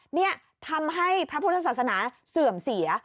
นี่ทำให้พระพุทธศาสนาเสื่อมเสีย